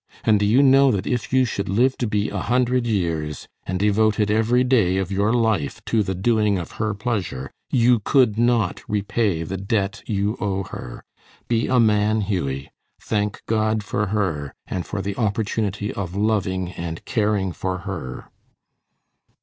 And do you know that if you should live to be a hundred years, and devoted every day of your life to the doing of her pleasure, you could not repay the debt you owe her? Be a man, Hughie. Thank God for her, and for the opportunity of loving and caring for her."